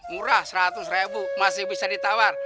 murah seratus ribu masih bisa ditawar